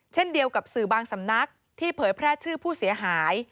เช่นเดียวกับสื่อบางสำนักที่เผยแพร่ชื่อผู้เสียหาย